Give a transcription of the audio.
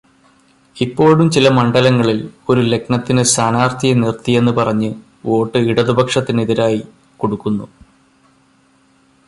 ഇപ്പോഴും ചില മണ്ഡലങ്ങളിൽ ഒരു ലഗ്നത്തിന് സ്ഥാനാർഥിയെ നിർത്തിയെന്ന് പറഞ്ഞ് വോട്ട് ഇടതുപക്ഷത്തിന് എതിരായി കൊടുക്കുന്നു.